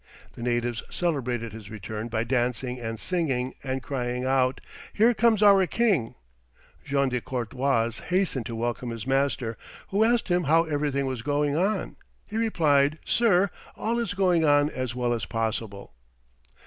The natives celebrated his return by dancing and singing, and crying out, "Here comes our king." Jean de Courtois hastened to welcome his master, who asked him how everything was going on; he replied, "Sir, all is going on as well as possible."